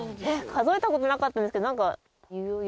数えた事なかったんですけど。